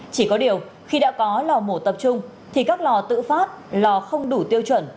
chỉ có điều khi đã có lò mổ tập trung thì các lò tự phát lò không đủ tiêu chuẩn